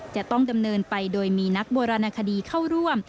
จะต้องดำเนินไปโดยมีนักโบราณคดีเข้าร่วม